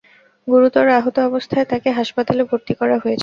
গুরুতর আহত অবস্থায় তাঁকে হাসপাতালে ভর্তি করা হয়েছে।